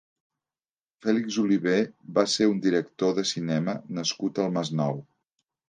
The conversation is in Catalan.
Fèlix Oliver va ser un director de cinema nascut al Masnou.